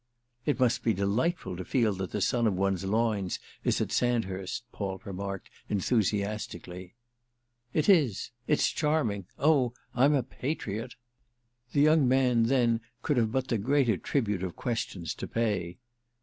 "It must be delightful to feel that the son of one's loins is at Sandhurst," Paul remarked enthusiastically. "It is—it's charming. Oh I'm a patriot!" The young man then could but have the greater tribute of questions to pay.